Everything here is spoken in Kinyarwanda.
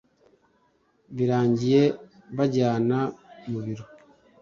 birangiye banjyana mu biro